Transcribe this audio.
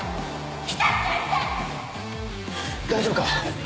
大丈夫か？